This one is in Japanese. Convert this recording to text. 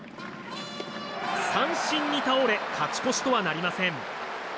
三振に倒れ勝ち越しとはなりません。